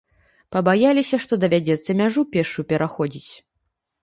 Пабаяліся, што давядзецца мяжу пешшу пераходзіць.